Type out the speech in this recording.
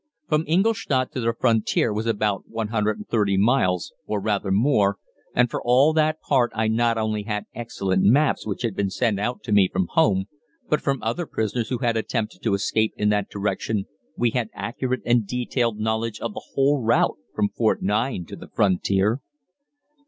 From Ingolstadt to the frontier was about 130 miles, or rather more, and for all that part I not only had excellent maps which had been sent out to me from home, but from other prisoners who had attempted to escape in that direction we had accurate and detailed knowledge of the whole route from Fort 9 to the frontier.